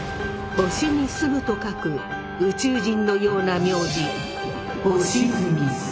星に住むと書く宇宙人のような名字星住様。